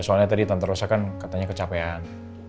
soalnya tadi tante rusa kan katanya kecapean